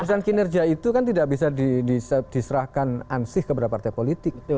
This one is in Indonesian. urusan kinerja itu kan tidak bisa diserahkan ansih kepada partai politik